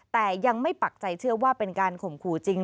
แต่ยังไม่ปักใจเชื่อว่าเป็นการข่มขู่จริง